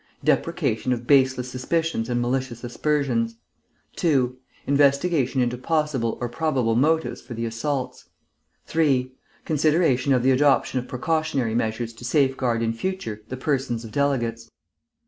Deprecation of baseless suspicions and malicious aspersions. "2. Investigation into possible or probable motives for the assaults. "3. Consideration of the adoption of precautionary measures to safeguard in future the persons of delegates.